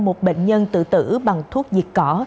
một bệnh nhân tự tử bằng thuốc diệt cỏ